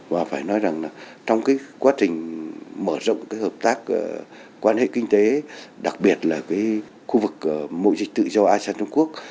và phải nói rằng trong cái quá trình mở rộng cái hợp tác quan hệ kinh tế đặc biệt là khu vực mụi dịch tự do asean trung quốc